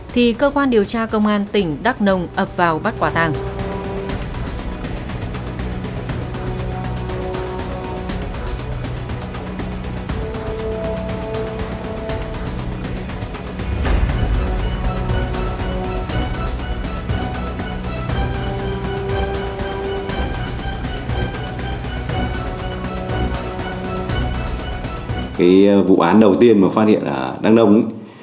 thì cơ quan điều tra công an tỉnh đắk nông ập vào bắt quả tăng